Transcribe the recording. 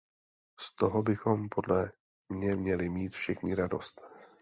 Z toho bychom podle mě měli mít všichni radost.